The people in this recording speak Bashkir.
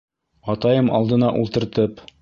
Атайым алдына ултыртып: